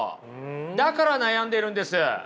だから悩んでるんです。